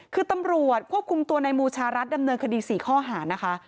คือตำรวจควบคุมตัวในบูชารัฐดำเนินคดี๔ข้อหานะคะ